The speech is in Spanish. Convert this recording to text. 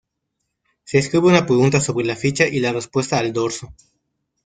Se escribe una pregunta sobre la ficha y la respuesta al dorso.